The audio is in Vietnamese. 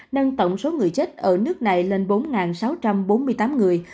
nâng tổng số người chết ở nước này lên bốn sáu trăm bốn mươi tám người